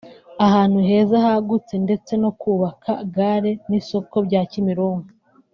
ahantu heza hagutse ndetse no kubaka gare n’isoko bya Kimironko